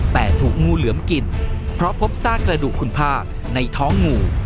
แต่ถูกงูเหลือมกินเพราะพบซากกระดูกคุณภาคในท้องงู